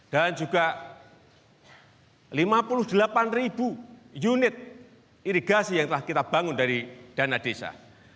dan juga lima puluh delapan ribu unit irigasi yang telah kita bangun dari dana desa